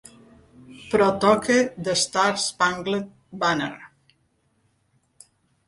Però toca The Star Spangled Banner.